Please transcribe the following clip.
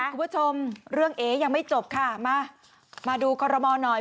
คุณผู้ชมเรื่องเอ๊ยังไม่จบค่ะมามาดูคอรมอลหน่อย